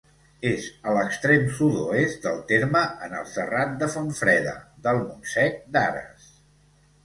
És a l'extrem sud-oest del terme, en el serrat de Fontfreda, del Montsec d'Ares.